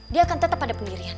dia akan tetap ada pendirian